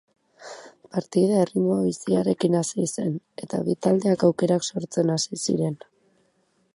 Partida erritmo biziarekin hasi zen eta bi taldeak aukerak sortzen hasi ziren.